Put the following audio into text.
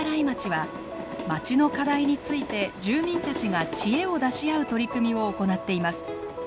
はまちの課題について住民たちが知恵を出し合う取り組みを行っています。